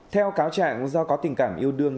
theo cáo trạng do có tình cảm yêu đương